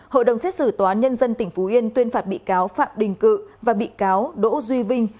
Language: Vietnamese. hội đồng xét xử tòa án nhân dân tỉnh phú yên tuyên phạt bị cáo phạm đình cự và bị cáo đỗ duy vinh